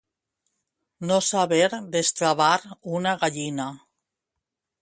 No saber destravar una gallina.